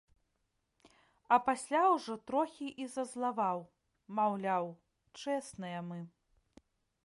А пасля ўжо трохі і зазлаваў, маўляў, чэсныя мы.